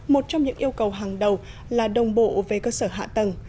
một trong những yêu cầu hàng đầu là đồng bộ về cơ sở hạ tầng